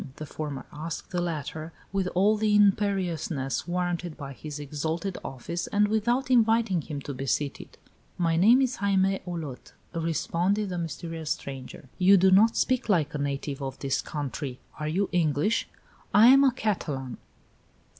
the former asked the latter, with all the imperiousness warranted by his exalted office, and without inviting him to be seated. "My name is Jaime Olot," responded the mysterious stranger. "You do not speak like a native of this country. Are you English?" "I am a Catalan."